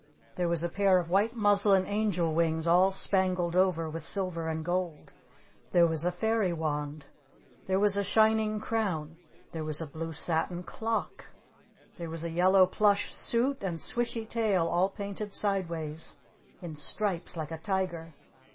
There was a pair of white muslin angel wings all spangled over with silver and gold! There was a fairy wand! There was a shining crown! There was a blue satin clock! There was a yellow plush suit and swishy tail all painted sideways in stripes like a tiger!